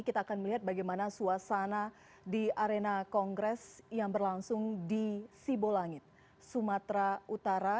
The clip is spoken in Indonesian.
kita akan melihat bagaimana suasana di arena kongres yang berlangsung di sibolangit sumatera utara